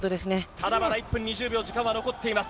ただまだ１分２０秒、時間は残っています。